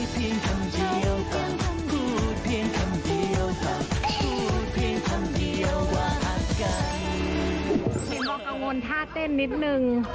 เห็นบอกกังวลท่าเต้นนิดนึง